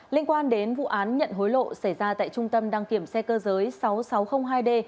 liên quan đến vụ án nhận hối lộ xảy ra tại trung tâm đăng kiểm xe cơ giới sáu nghìn sáu trăm linh hai d